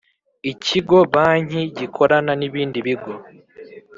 Ikigo banki gikorana nibindi bigo.